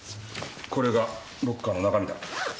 これがロッカーの中身だ。